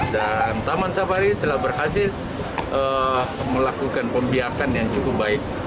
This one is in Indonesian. dan taman safari telah berhasil melakukan pembiakan yang cukup baik